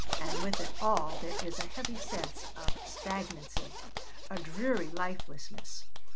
And with it all there is a heavy sense of stagnancy, a dreary lifelessness.